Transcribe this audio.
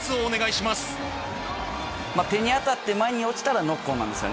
手に当たって前に落ちたらノックオンなんです。